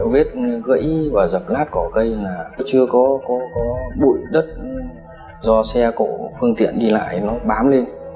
vết gãy và dập lát cỏ cây là chưa có bụi đất do xe cổ phương tiện đi lại nó bám lên